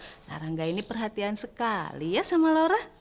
bu nara nggak ini perhatian sekali ya sama laura